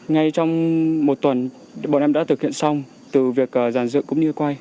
ngay trong một tuần bọn em đã thực hiện xong từ việc giàn dựng cũng như quay